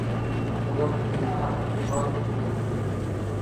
Улым, зинһар, уға өйләнмә!